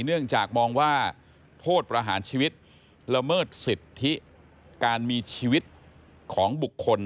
เนื่องจากมองว่าโทษประหารชีวิตละเมิดสิทธิการมีชีวิตของบุคคล